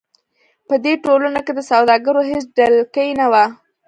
په دې ټولنو کې د سوداګرو هېڅ ډلګۍ نه وه.